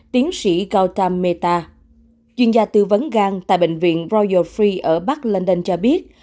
tiến sĩ gautam mehta chuyên gia tư vấn gan tại bệnh viện royal free ở bắc london cho biết